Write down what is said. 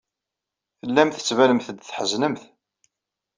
Tellamt tettbanemt-d tḥeznemt.